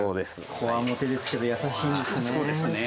こわもてですけど、優しいんですね。